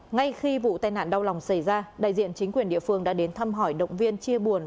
ngay khi vụ tai nạn đau lòng xảy ra đại diện chính quyền địa phương đã đến thăm hỏi động viên chia buồn